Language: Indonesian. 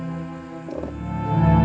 mo ak mountains